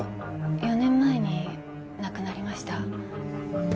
４年前に亡くなりました。